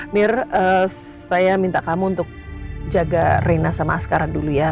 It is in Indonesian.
mir saya minta kamu untuk jaga rina sama askara dulu ya